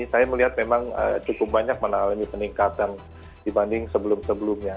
saya melihat memang cukup banyak mengalami peningkatan dibanding sebelum sebelumnya